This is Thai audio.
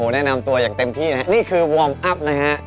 แนะนำตัวอย่างเต็มที่นะครับนี่คือวอร์มอัพนะฮะ